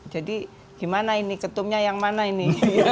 jadi gimana ini ketumnya yang mana ini